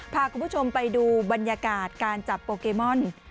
พาคุณผู้ชมไปดูบรรยากาศการจับโปเกมอน